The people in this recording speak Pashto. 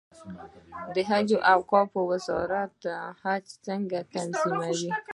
د حج او اوقافو وزارت حج څنګه تنظیموي؟